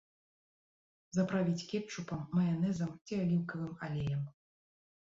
Заправіць кетчупам, маянэзам ці аліўкавым алеем.